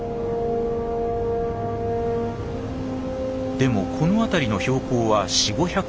でもこの辺りの標高は４００５００メートル。